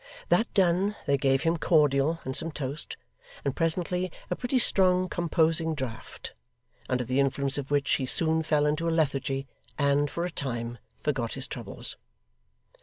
That done, they gave him cordial and some toast, and presently a pretty strong composing draught, under the influence of which he soon fell into a lethargy, and, for a time, forgot his troubles.